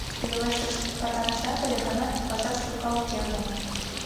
Йолешышт катам чият ыле гынат, пазар чулка уке ыле.